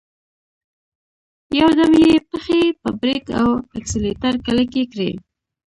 يودم يې پښې په بريک او اکسلېټر کلکې کړې.